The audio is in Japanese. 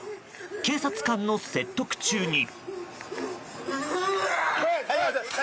警察官の説得中に。